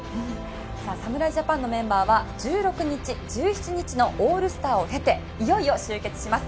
さあ侍ジャパンのメンバーは１６日１７日のオールスターを経ていよいよ集結します。